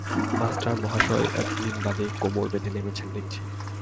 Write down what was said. Master মহাশয় এতদিন বাদে কোমর বেঁধে নেমেছেন দেখছি।